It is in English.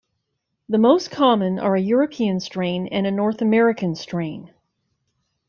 The most common are a European strain and a North American strain.